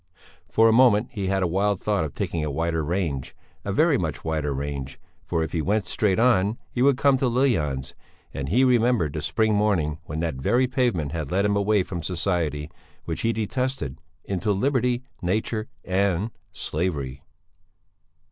For a moment he had a wild thought of taking a wider range, a very much wider range, for if he went straight on, he would come to Lill Jans, and he remembered the spring morning when that very pavement had led him away from society, which he detested, into liberty, nature, and slavery.